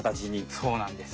そうなんです。